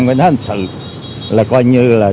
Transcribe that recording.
nói thật sự là coi như là